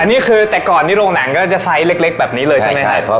อันนี้คือแต่ก่อนที่โรงหนังก็จะไซส์เล็กแบบนี้เลยใช่ไหมครับ